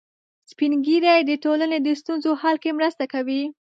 سپین ږیری د ټولنې د ستونزو حل کې مرسته کوي